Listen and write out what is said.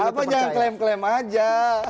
apa jangan klaim klaim aja